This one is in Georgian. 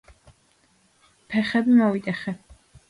ფეხები მოვიტეხე